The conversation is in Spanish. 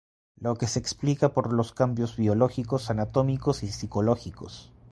Lo que se explica por los cambios biológicos, anatómicos y psicológicos.